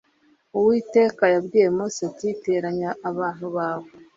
Uwiteka yabwiye Mose ati Teranya abantu bawe